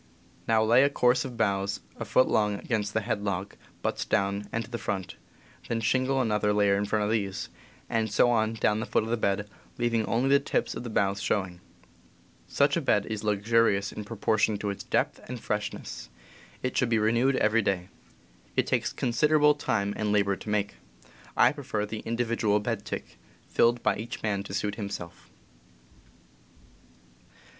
Now lay a course of boughs a foot long against the head log, butts down and to the front, then shingle another layer in front of these, and so on down to the foot of the bed, leaving only the tips of the boughs showing. Such a bed is luxurious in proportion to its depth and freshness. It should be FiQ. 6. renewed every day. It takes considerable time and labor to make. I prefer the individual bed tick, filled by each man to suit himself.